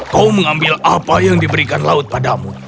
kau mengambil apa yang diberikan laut padamu